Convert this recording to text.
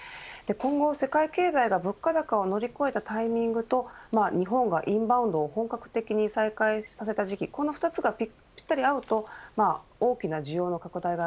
今後、世界経済が物価高を乗り越えたタイミングと日本がインバウンドを本格的に再開させた時期この２つがぴったり合うと大きな需要の拡大が